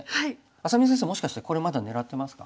愛咲美先生もしかしてこれまだ狙ってますか？